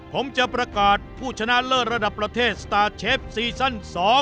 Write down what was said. ผมจะประกาศผู้ชนะเลิศระดับประเทศสตาร์ทเชฟซีซั่น๒